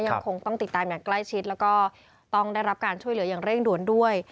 ยังคงต้องติดตามอย่างใกล้ชิดแล้วก็ต้องได้รับการช่วยเหลืออย่างเร่งด่วนด้วย